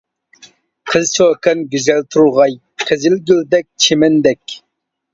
قىز-چوكان گۈزەل تۇرغاي، قىزىل گۈلدەك، چىمەندەك.